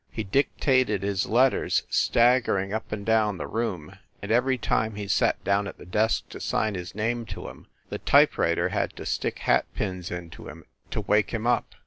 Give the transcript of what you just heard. He dictated his letters staggering up and down the room, and every time he sat down at the desk to sign his name to em, the typewriter had to stick hat pins into him to wake him up.